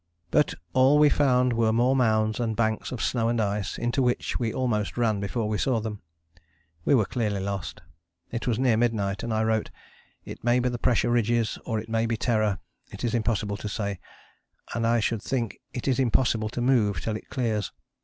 But all we found were more mounds and banks of snow and ice, into which we almost ran before we saw them. We were clearly lost. It was near midnight, and I wrote, "it may be the pressure ridges or it may be Terror, it is impossible to say, and I should think it is impossible to move till it clears.